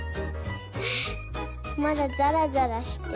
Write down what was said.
あまだざらざらしてる。